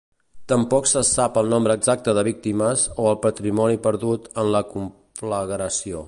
Tampoc se sap el nombre exacte de víctimes o el patrimoni perdut en la conflagració.